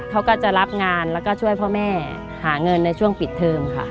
เขาก็จะรับงานแล้วก็ช่วยพ่อแม่หาเงินในช่วงปิดเทิมค่ะ